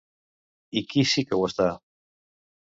I qui sí que ho està?